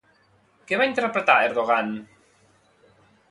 Què va interpretar Erdogan?